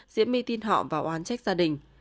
diễm my tin họ và oán trách gia đình